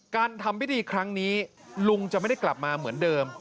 การทำพิธีครั้งนี้ลุงจะไม่ได้กลับมาเหมือนเดิม